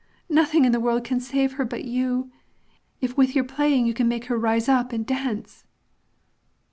Nothing in the world can save her but you, if with your playing you can make her rise up and dance!"